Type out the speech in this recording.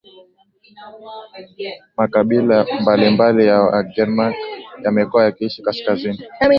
Makabila mbalimbali ya Wagermanik yamekuwa yakiishi kaskazini